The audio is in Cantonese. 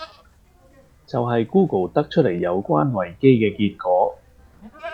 就係 Google 得出黎有關維基既結果